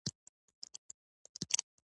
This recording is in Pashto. یو سړي د لرګي یو بت درلود او عبادت یې کاوه.